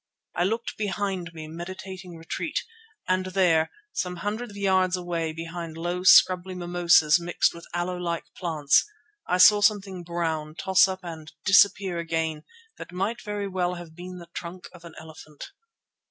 I looked behind me, meditating retreat, and there, some hundreds of yards away behind low, scrubby mimosas mixed with aloe like plants, I saw something brown toss up and disappear again that might very well have been the trunk of an elephant.